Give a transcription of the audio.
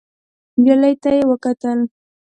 نجلۍ ته يې وکتل.